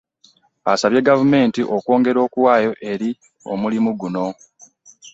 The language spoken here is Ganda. Asabye gavumenti okwongera okuwaayo eri omulimu guno